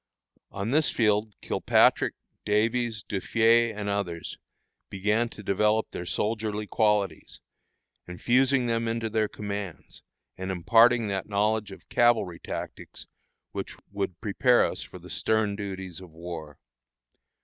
On this field Kilpatrick, Davies, Duffié, and others, began to develop their soldierly qualities, infusing them into their commands, and imparting that knowledge of cavalry tactics which would prepare us for the stern duties of war.